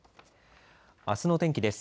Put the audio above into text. あすの天気です。